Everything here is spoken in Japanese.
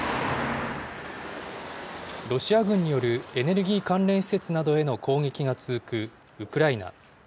ロシア軍によるエネルギー関連施設などへの攻撃が続くウクライナ。